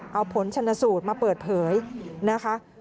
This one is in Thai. เอาผลชนสูตรมาเปิดเผยนะคะ